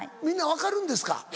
みんな分かるんですか？